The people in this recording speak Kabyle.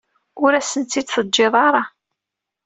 Ur asen-tt-id-teǧǧiḍ ara.